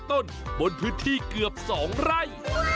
๑๐๕ต้นบนพื้นที่เกือบสองไร่